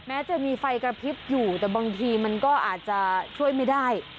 แม้จะมีไฟกระพริบอยู่แต่บางทีมันก็อาจจะช่วยไม่ได้